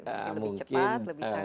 lebih cepat lebih cantik